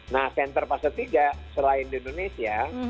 nah center fase tiga selain di indonesia